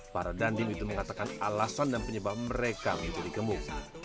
para dandim itu mengatakan alasan dan penyebab mereka menjadi gemuk